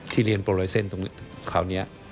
ที่เรียนโปรไลเซ็นต์คราวนี้